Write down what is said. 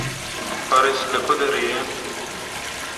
Parîs li ku derê ye?